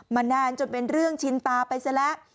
นานจนเป็นเรื่องชินตาไปซะแล้ว